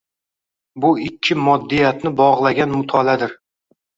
Bu ikki moddiyatni bog‘lagan mutolaadir.